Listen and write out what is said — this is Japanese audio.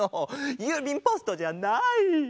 ゆうびんポストじゃない！